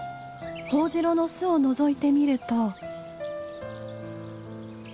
ホオジロの巣をのぞいてみると。